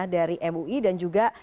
dari mui dan juga